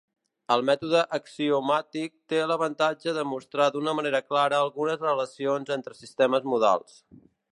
El mètode axiomàtic té l'avantatge de mostrar d'una manera clara algunes relacions entre sistemes modals.